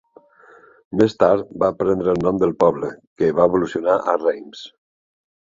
Més tard va prendre el nom del poble, que va evolucionar a Reims.